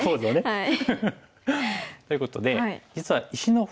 はい。